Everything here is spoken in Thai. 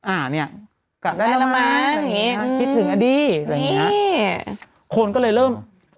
อ่านี่